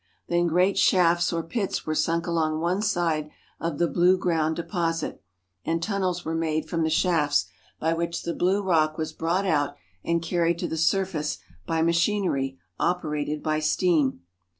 Then great shafts or pits were sunk along one side of the blue ground deposit, and tunnels were made from the shafts by ■ which the blue rock was brought out and carried to the surface by machinery operated by steam.